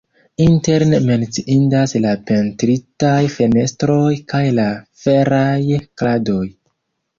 Interne menciindas la pentritaj fenestroj kaj la feraj kradoj.